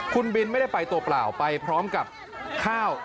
คุณบินไม่ได้ไปตัวเปล่าไปพร้อมกับข้าว